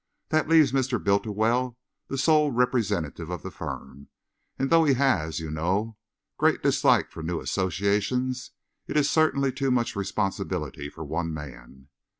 That leaves Mr. Bultiwell the sole representative of the firm, and though he has, as you know, a great dislike for new associations, it is certainly too much responsibility for one man."